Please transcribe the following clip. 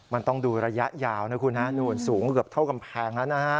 มันต้องดูระยะยาวนะคุณฮะนู่นสูงเกือบเท่ากำแพงแล้วนะฮะ